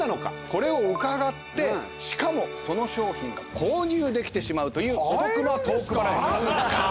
これを伺ってしかもその商品が購入できてしまうというお得なトークバラエティー。